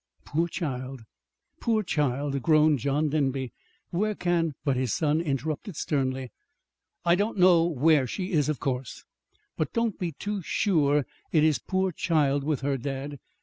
"Poor child, poor child!" groaned John Denby. "Where can " But his son interrupted sternly. "I don't know where she is, of course. But don't be too sure it is 'poor child' with her, dad.